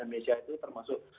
yang misalnya itu termasuk